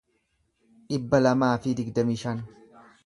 dhibba lamaa fi digdamii shan